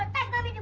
itu dia mali